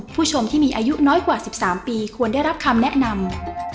ผู้ชมที่มีอายุน้อยกว่า๑๓ปีควรได้รับคำแนะนำ